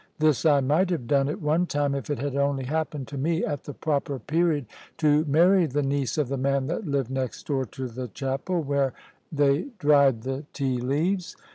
This I might have done at one time, if it had only happened to me, at the proper period, to marry the niece of the man that lived next door to the chapel, where they dried the tea leaves.